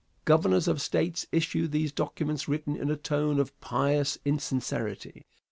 Governors of States issue these documents written in a tone of pious insincerity.